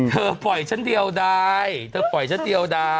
เธอปล่อยฉันเดียวได้